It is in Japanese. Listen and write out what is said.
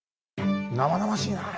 生々しいなあ。